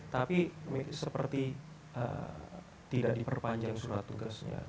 tapi seperti tidak diperpanjang surat tugasnya